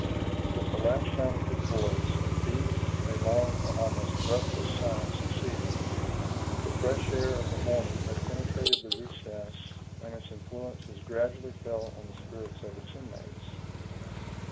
With the last sound of his voice, a deep, a long, and almost breathless silence succeeded. The fresh air of the morning had penetrated the recess, and its influence was gradually felt on the spirits of its inmates.